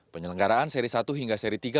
penyelenggaraan seri satu hingga seri tiga